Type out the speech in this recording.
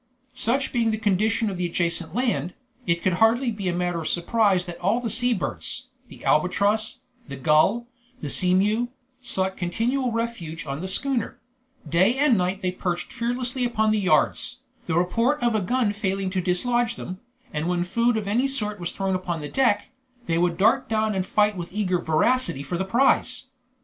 Such being the condition of the adjacent land, it could hardly be a matter of surprise that all the sea birds, the albatross, the gull, the sea mew, sought continual refuge on the schooner; day and night they perched fearlessly upon the yards, the report of a gun failing to dislodge them, and when food of any sort was thrown upon the deck, they would dart down and fight with eager voracity for the prize.